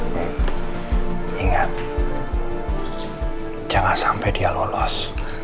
mengingat jangan sampai dia lolos